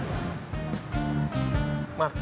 agar ada normal bikes